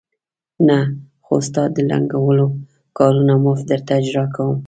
نه، خو ستا د لنګول کارونه مفت درته اجرا کوم.